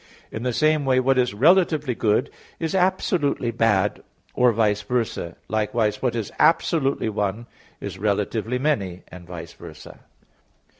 In the same way, what is relatively good is absolutely bad, or vice versa; likewise what is absolutely one is relatively many, and vice versa.